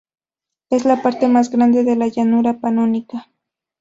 Es la parte más grande de la llanura panónica.